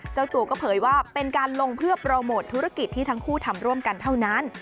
เจ้าตัวก็เผยว่าเป็นการลงเพื่อโปรโมทธุรกิจที่ทั้งคู่ทำร่วมกันเท่านั้น